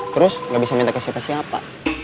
terus gak bisa minta ke siapa siapa